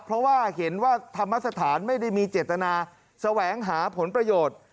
เพราะว่าเห็นว่าธรรมสถานไม่ได้มีเจตนาแสวงหาผลประโยชน์